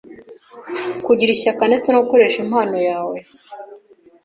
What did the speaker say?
Kugira ishyaka ndetse no gukoresha impano yawe